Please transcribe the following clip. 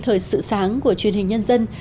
thời sự sáng của truyền hình nhân dân